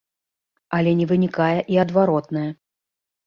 Але не вынікае і адваротнае.